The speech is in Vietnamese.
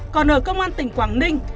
còn ở công an tỉnh quảng ninh